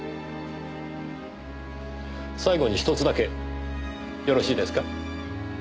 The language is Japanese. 最後にひとつだけよろしいですか？